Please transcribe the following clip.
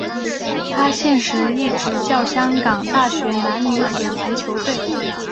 他现时亦执教香港大学男女子篮球队。